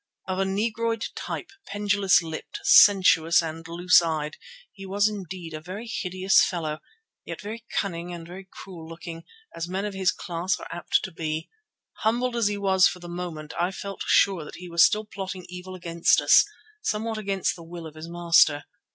Of a negroid type, pendulous lipped, sensuous and loose eyed, he was indeed a hideous fellow, yet very cunning and cruel looking, as men of his class are apt to be. Humbled as he was for the moment, I felt sure that he was still plotting evil against us, somewhat against the will of his master.